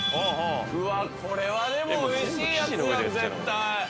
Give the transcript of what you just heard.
うわこれはでもおいしいやつじゃん絶対。